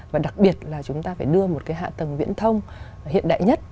và đặc biệt là chúng ta phải đưa một cái hạ tầng viễn thông hiện đại nhất